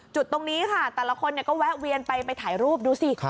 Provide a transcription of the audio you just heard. จุดตรงนี้ค่ะแต่ละคนก็แวะเวียนไปไปถ่ายรูปดูสิ